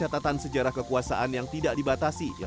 terjadi kerusuhan dan selusnya